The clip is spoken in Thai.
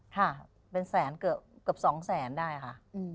ค่ะเป็นแสนเกือบ๒แสนได้ค่ะ